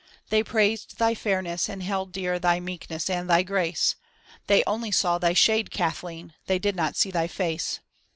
They praised thy fairness and held dear thy meekness and thy grace; They only saw thy shade, Kathleen, they did not see thy face.